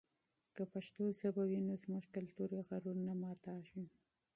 که پښتو ژبه وي نو زموږ کلتوري غرور نه ماتېږي.